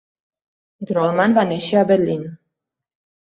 Grolman va néixer a Berlín.